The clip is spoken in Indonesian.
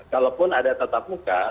kalaupun ada tatap muka